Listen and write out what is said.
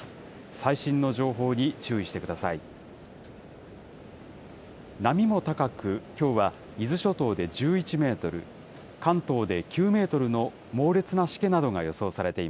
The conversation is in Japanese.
最新の情報に注意してください。